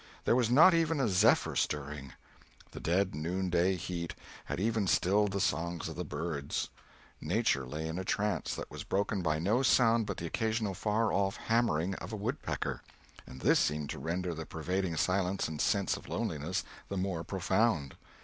There was not even a zephyr stirring; the dead noonday heat had even stilled the songs of the birds; nature lay in a trance that was broken by no sound but the occasional far off hammering of a wood pecker, and this seemed to render the pervading silence and sense of loneliness the more profound.